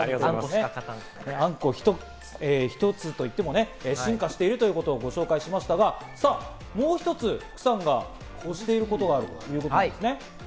あんこひとつと言っても進化しているということをご紹介しましたが、さあ、もう一つ、福さんが推していることがあるということですね。